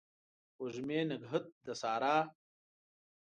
وږمې نګهت د سارا